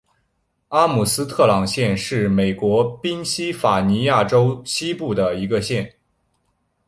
阿姆斯特朗县是美国宾夕法尼亚州西部的一个县。